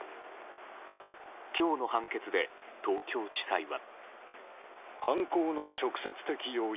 今日の判決で、東京地裁は。